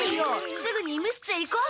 すぐに医務室へ行こう！